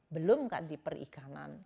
belumkan di perikanan